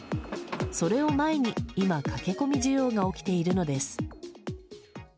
それを前に、今駆け込み需要が起きているのです。